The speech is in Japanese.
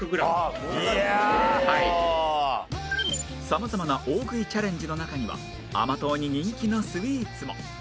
様々な大食いチャレンジの中には甘党に人気のスイーツも